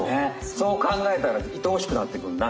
そうかんがえたらいとおしくなってくるな。